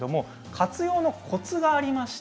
活用のコツがあります。